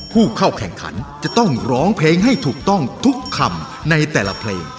ผู้เข้าแข่งขันจะต้องร้องเพลงให้ถูกต้องทุกคำในแต่ละเพลง